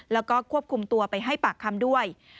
แล้วก็ควบคุมตัวไปให้ปากคำด้วย